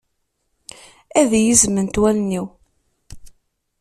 Ad iyi-zzment wallen-iw.